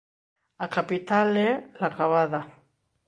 A capital é La Cavada.